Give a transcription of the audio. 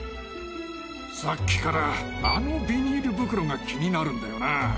さっきからあのビニール袋が気になるんだよな。